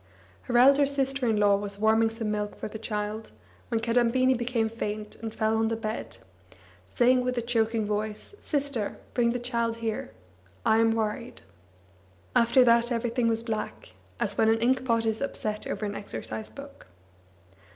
Her elder sister in law was warming some milk for the child, when Kadambini became faint, and fell on the bed, saying with a choking voice: "Sister, bring the child here. I am worried." After that everything was black, as when an inkpot is upset over an exercise book.